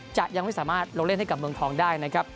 ยังไม่สามารถลงเล่นให้กับเมืองทองได้นะครับ